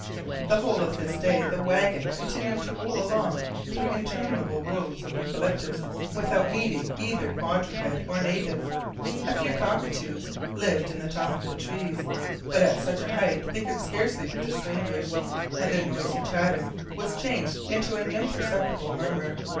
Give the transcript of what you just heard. The whole of this day the wagon continued to roll along through interminable rows of eucalyptus, without meeting either quadruped or native. A few cockatoos lived in the tops of the trees, but at such a height they could scarcely be distinguished, and their noisy chatter was changed into an imperceptible murmur.